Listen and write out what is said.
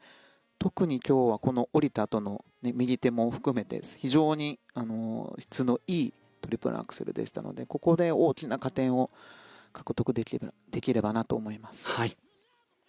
特に今日は降りたあとの右手も含めて非常に質のいいトリプルアクセルでしたのでここで大きな加点を獲得できればなと思います。